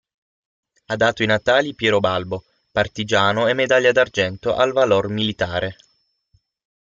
Ha dato i natali Piero Balbo, partigiano e Medaglia d'argento al valor militare.